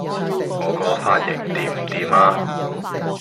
我個髮型掂唔掂呀?